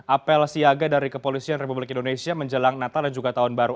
apel siaga dari kepolisian republik indonesia menjelang natal dan juga tahun baru